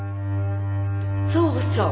そうそう。